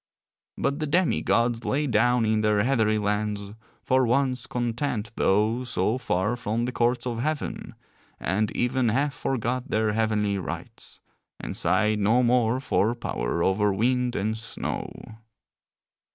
But the demi gods lay down in their heathery lands, for once content though so far from the courts of heaven, and even half forgot their heavenly rights, and sighed no more for power over wind and snow.